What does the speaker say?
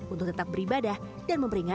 untuk tetap beribadah dan memperingati